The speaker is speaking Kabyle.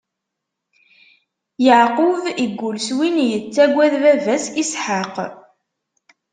Yeɛqub iggull s win yettagwd baba-s Isḥaq.